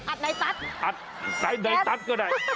อัดไหนตั๊ดอัดไหนตั๊ดก็ได้ไหนตั๊ดก็ได้